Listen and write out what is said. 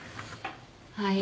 はい。